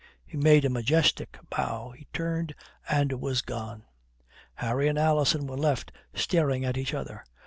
He made a majestic bow, he turned and was gone. Harry and Alison were left staring at each other.